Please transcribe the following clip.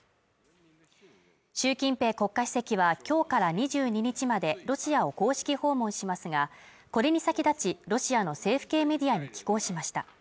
習近平国家主席は今日から２２日までロシアを公式訪問しますがこれに先立ち、ロシアの政府系メディアに寄稿しました。